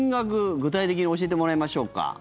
具体的に教えてもらいましょうか。